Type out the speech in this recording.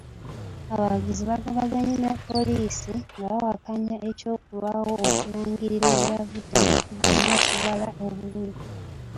Abawagizi baagobaganye ne poliisi nga bawakanya eky'okulwawo okulangirira ebyavudde mu kuddamu okubala obululu.